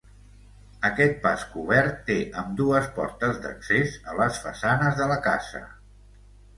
Aquest pas cobert té ambdues portes d'accés a les façanes de la casa.